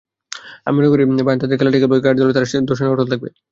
আমি মনে করি বায়ার্ন তাদের খেলাটাই খেলবে, গার্দিওলাও তাঁর দর্শনে অটল থাকবে।